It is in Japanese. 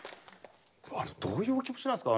どういうお気持ちなんですか？